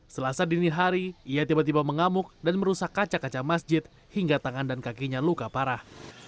selasa dini hari ia tiba tiba mengamuk dan merusak kaca kaca masjid hingga tangan dan kakinya luka parah